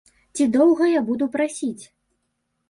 Ці доўга я буду прасіць?